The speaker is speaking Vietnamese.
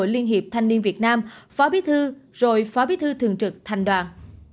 liên hiệp thanh niên việt nam phó bí thư rồi phó bí thư thường trực thành đoàn